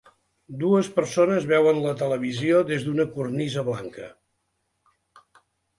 Dues persones veuen la televisió des d'una cornisa blanca.